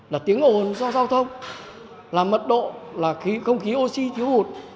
là tiếng ồn do giao thông là mật độ là khí không khí oxy thiếu hụt